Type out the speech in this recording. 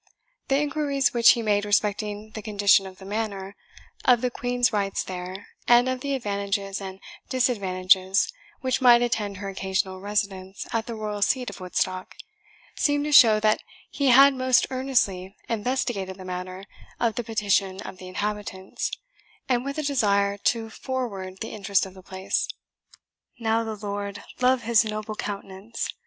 The inquiries which he made respecting the condition of the manor, of the Queen's rights there, and of the advantages and disadvantages which might attend her occasional residence at the royal seat of Woodstock, seemed to show that he had most earnestly investigated the matter of the petition of the inhabitants, and with a desire to forward the interest of the place. "Now the Lord love his noble countenance!"